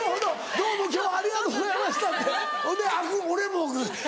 「どうも今日はありがとうございました」ってほんで俺も。